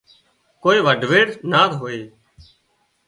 ڪوئي وڍويڙ نا هوئي